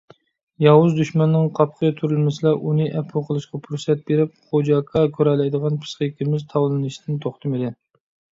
ياۋۇز دۈشمەننىڭ قاپىقى تۈرۈلمىسىلا ئۇنى ئەپۇ قىلىشقا پۇرسەت بېرىپ «غوجاكا» كۆرەلەيدىغان پىسخىكىمىز تاۋلىنىشتىن توختىمىدى.